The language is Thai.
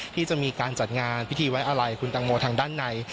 ที่จะมีการจัดงานพิธีไว้อะไรคุณตังโมทางด้านใน